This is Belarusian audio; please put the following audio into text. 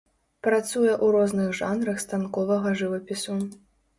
Працуе ў розных жанрах станковага жывапісу.